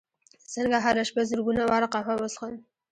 څنګه هره شپه زرګونه واره قهوه وڅښم